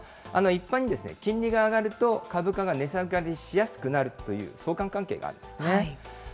一般に金利が上がると、株価が値下がりしやすくなるという相関関係があるんですね。